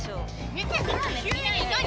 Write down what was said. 見てない！